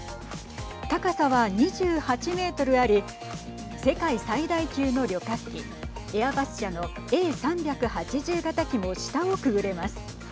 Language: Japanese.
高さは２８メートルあり世界最大級の旅客機エアバス社のＡ３８０型機も下をくぐれます。